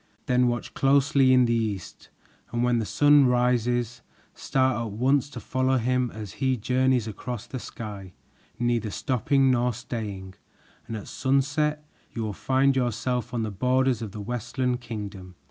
"Then watch closely in the east, and when the sun rises, start at once to follow him as he journeys across the sky, neither stopping nor staying, and at sunset you will find yourself on the borders of the Westland Kingdom.